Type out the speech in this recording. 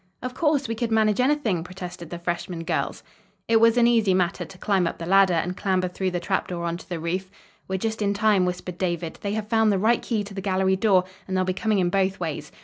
"Of course; we could manage anything," protested the freshmen girls. It was an easy matter to climb up the ladder, and clamber through the trap door on to the roof. "We're just in time," whispered David. "They have found the right key to the gallery door, and they'll be coming in both ways.